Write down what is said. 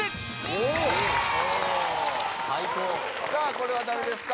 これは誰ですか？